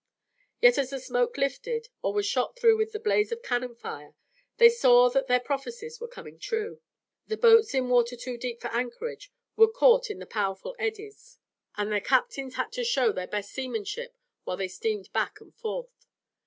Yet as the smoke lifted or was shot through with the blaze of cannon fire they saw that their prophecies were coming true. The boats in water too deep for anchorage were caught in the powerful eddies and their captains had to show their best seamanship while they steamed back and forth.